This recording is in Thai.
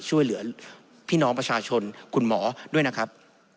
ช่วยเหลือพี่น้องประชาชนคุณหมอด้วยนะครับ